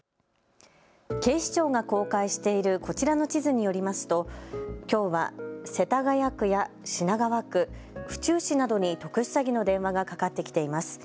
警視庁が公開しているこちらの地図によりますときょうは世田谷区や品川区、府中市などに特殊詐欺の電話がかかってきています。